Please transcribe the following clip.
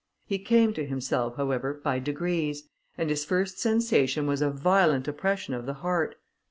He came to himself, however, by degrees, and his first sensation was a violent oppression of the heart.